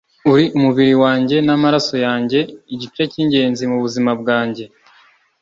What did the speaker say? uri umubiri wanjye namaraso yanjye, igice cyingenzi mubuzima bwanjye